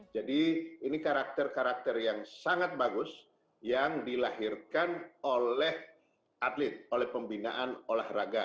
jadi ini karakter karakter yang sangat bagus yang dilahirkan oleh atlet oleh pembinaan olahraga